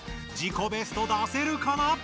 自己ベスト出せるかな？